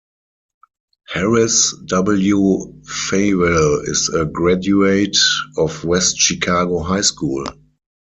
Harris W. Fawell is a graduate of West Chicago High School.